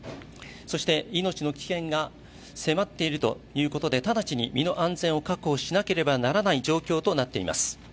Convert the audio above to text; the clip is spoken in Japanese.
そして命の危険が迫っているということで直ちに身の安全を確保しなければならない状況となっています。